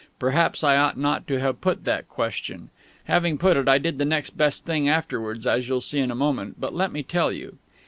Perhaps I ought not to have put that question; having put it, I did the next best thing afterwards, as you'll see in a moment ... but let me tell you.